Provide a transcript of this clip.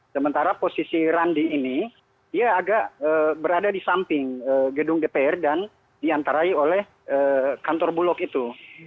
sementara posisi randi ini dia agak berada di samping gedung dpr dan diantarai oleh kantor bulog itu